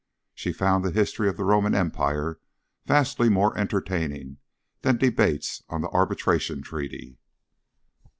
She found the history of the Roman Empire vastly more entertaining than debates on the Arbitration Treaty.